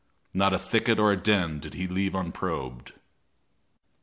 Not a thicket or a den did he leave unprobed.